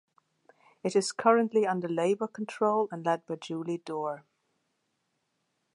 It is currently under Labour control and led by Julie Dore.